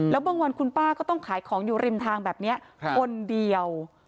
แล้วบางวันคุณป้าก็ต้องขายของอยู่ริมทางแบบนี้คนเดียว